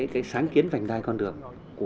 cái sáng kiến vành đai con đường